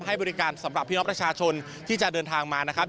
ให้บริการสำหรับพี่น้องประชาชนที่จะเดินทางมานะครับ